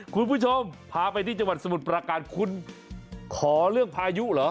คุณผู้ชมพาไปที่จังหวัดสมุทรประการคุณขอเรื่องพายุเหรอ